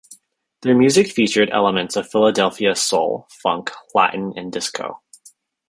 Their music featured elements of Philadelphia soul, funk, Latin and disco.